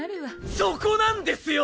そこなんですよ！